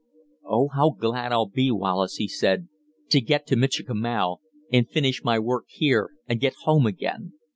"Oh, how glad I'll be, Wallace," he said, "to get to Michikamau and finish my work here and get home again!